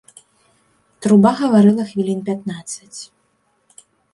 Труба гаварыла хвілін пятнаццаць.